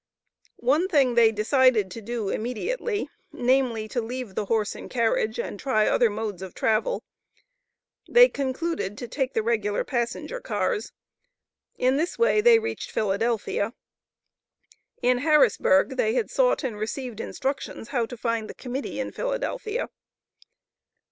One thing they decided to do immediately, namely, to "leave the horse and carriage," and try other modes of travel. They concluded to take the regular passenger cars. In this way they reached Philadelphia. In Harrisburg, they had sought and received instructions how to find the Committee in Philadelphia.